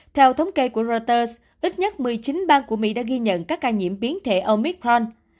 theo thống kê của reuters ít nhất một mươi chín bang của mỹ đã ghi nhận các ca nhiễm biến thể omicron